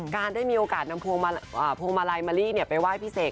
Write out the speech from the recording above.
ได้มีโอกาสนำพวงมาลัยมะลิไปไหว้พี่เสก